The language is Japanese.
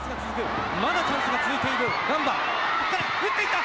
まだチャンスが続いているガンバ打っていった！